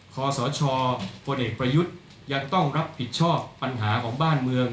ขอสชพลเอกประยุทธ์ยังต้องรับผิดชอบปัญหาของบ้านเมือง